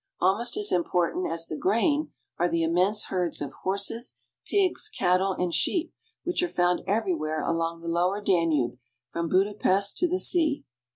Almost as important as the grain are the immense herds of horses, pigs, cattle, and sheep which are found everywhere along the lower Danube from Budapest to the sea.